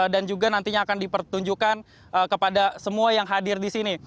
dan juga nantinya akan dipertunjukkan kepada semua yang hadir di sini